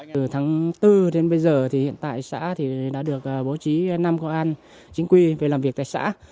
từ tháng bốn đến bây giờ thì hiện tại xã đã được bố trí năm công an chính quy về làm việc tại xã